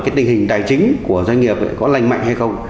cái tình hình tài chính của doanh nghiệp có lành mạnh hay không